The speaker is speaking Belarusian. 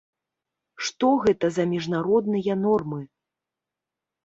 Што гэта за міжнародныя нормы?